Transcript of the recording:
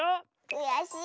くやしい。